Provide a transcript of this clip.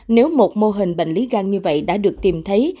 nếu một mô hình bệnh lý gan như vậy đã được tìm thấy